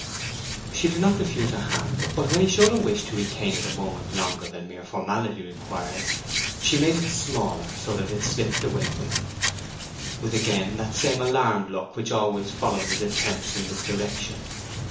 She did not refuse her hand, but when he showed a wish to retain it a moment longer than mere formality required, she made it smaller, so that it slipped away from him, with again that same alarmed look which always followed his attempts in this direction.